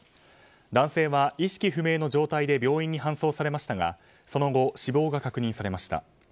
男性は意識不明の状態で病院に搬送されましたがその後、死亡が確認されました。